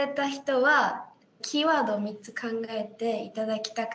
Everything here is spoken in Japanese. はい。